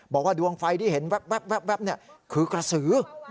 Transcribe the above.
บอกว่าดวงไฟที่เห็นแว๊บคือกระสือ